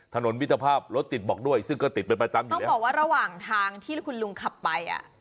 ถนนวิทยาภาพรถติดบอกด้วยซึ่งก็ติดเป็นไปตามอยู่แล้วต้องบอกว่าระหว่างทางที่คุณลุงขับไปอ่ะ